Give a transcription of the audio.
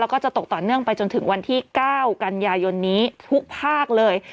แล้วก็จะตกต่อเนื่องไปจนถึงวันที่๙กันยายนนี้ทุกภาคเลย